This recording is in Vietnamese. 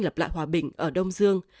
lập lại hòa bình ở đông dương